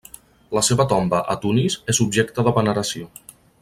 La seva tomba a Tunis és objecte de veneració.